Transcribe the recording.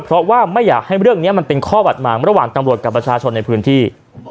เพราะว่าไม่อยากให้เรื่องนี้มันเป็นข้อบัดหมางระหว่างตำรวจกับประชาชนในพื้นที่